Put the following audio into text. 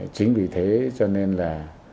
chính vì thế cho nên là